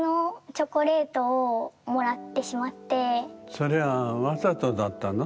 それはわざとだったの？